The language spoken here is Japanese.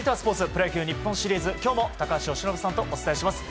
プロ野球日本シリーズ、今日も高橋由伸さんとお伝えします。